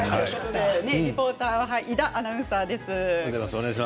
リポーターは伊田アナウンサーです。